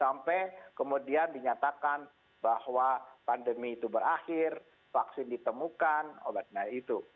sampai kemudian dinyatakan bahwa pandemi itu berakhir vaksin ditemukan obatnya itu